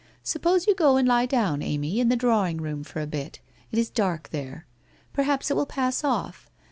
' Suppose you go and lie down, Amy, in the drawing room, for a bit. It is dark there. Per haps it will pass off.